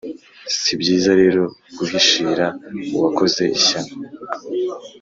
si byiza rero guhishira uwakoze ishyano